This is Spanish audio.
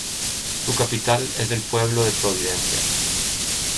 Su capital es el pueblo de Providencia.